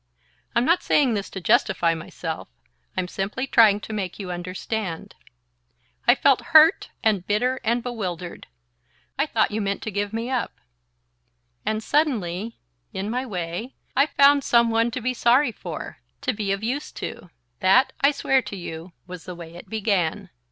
I'm not saying this to justify myself. I'm simply trying to make you understand. I felt hurt and bitter and bewildered. I thought you meant to give me up. And suddenly, in my way, I found some one to be sorry for, to be of use to. That, I swear to you, was the way it began.